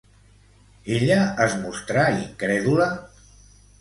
Ella es mostrà incrèdula?